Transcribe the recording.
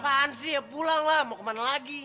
apaan sih ya pulang lah mau ke mana lagi